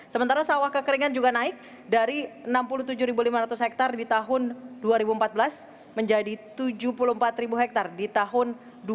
sementara sawah kekeringan juga naik dari enam puluh tujuh lima ratus hektare di tahun dua ribu empat belas menjadi tujuh puluh empat hektare di tahun dua ribu dua puluh